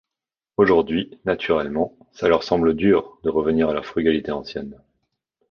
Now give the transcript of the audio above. Aujourd’hui, naturellement, ça leur semble dur, de revenir à leur frugalité ancienne.